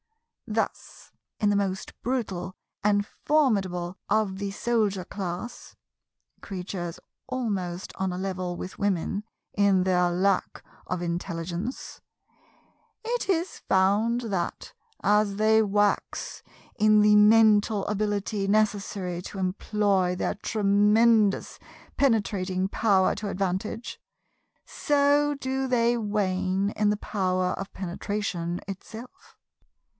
Thus, in the most brutal and formidable off the soldier class—creatures almost on a level with women in their lack of intelligence—it is found that, as they wax in the mental ability necessary to employ their tremendous penetrating power to advantage, so do they wane in the power of penetration itself.